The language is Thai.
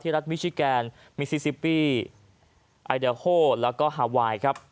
รัฐมิชิแกนมิซิซิปปี้ไอดาโฮแล้วก็ฮาไวน์ครับ